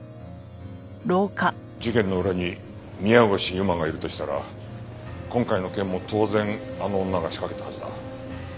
事件の裏に宮越優真がいるとしたら今回の件も当然あの女が仕掛けたはずだ。